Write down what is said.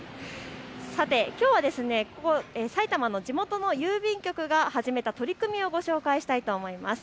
さて、きょうは埼玉の地元の郵便局が始めた取り組みをご紹介したいと思います。